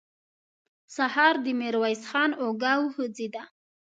سهار د ميرويس خان اوږه وخوځېده.